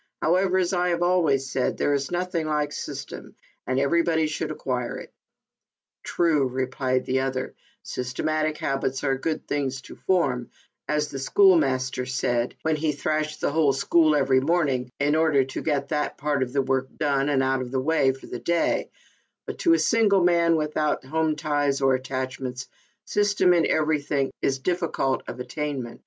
However, as I have always said, there is nothing like system, and everybody should acquire it." "True," replied the other, "systematic habits are good things to form, as the schoolmaster said, when he thrashed the whole school every morn ing, in order to get that part of the work done and out of the way for the day, but to a single man, without home ties or attachments, system in everything is difficult of attainment.